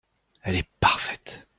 Elle est parfaite.